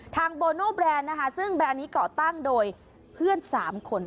โบโนแบรนด์นะคะซึ่งแบรนด์นี้เกาะตั้งโดยเพื่อน๓คน